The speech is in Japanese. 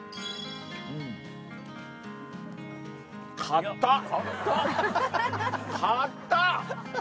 硬っ！